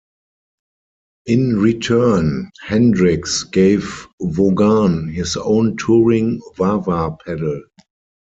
In return, Hendrix gave Vaughan his own touring Wah-wah pedal.